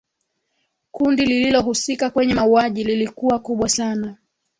kundi lililohusika kwenye mauaji lilikuwa kubwa sana